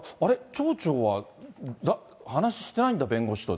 町長は話してないんだ、弁護士と。